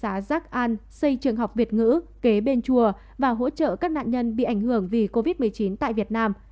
giác an xây trường học việt ngữ kế bên chùa và hỗ trợ các nạn nhân bị ảnh hưởng vì covid một mươi chín tại việt nam